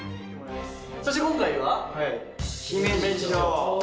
そして今回は。